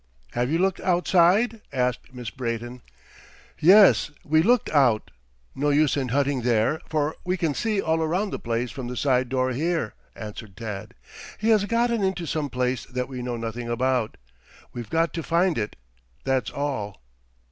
"Have you looked outside?" asked Miss Brayton. "Yes; we looked out. No use in hunting there, for we can see all around the place from the side door here," answered Tad. "He has gotten into some place that we know nothing about. We've got to find it, that's all."